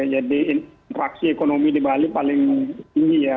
jadi interaksi ekonomi di bali paling tinggi ya